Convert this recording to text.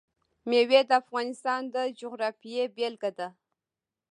مېوې د افغانستان د جغرافیې بېلګه ده.